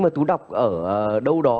mà túi đọc ở đâu đó